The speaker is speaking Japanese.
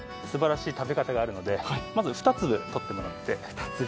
すばらしい食べ方があるので、まず、２粒取ってもらって。